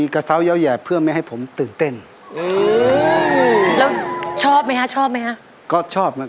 ก็ชอบนะครับ